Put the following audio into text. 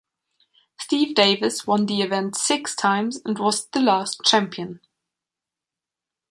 Steve Davis won the event six times and was the last champion.